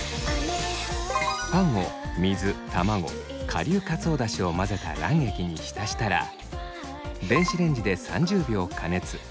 パンを水卵顆粒かつおだしを混ぜた卵液に浸したら電子レンジで３０秒加熱。